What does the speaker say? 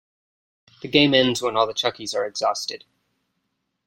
The game ends when all the Chuckies are exhausted.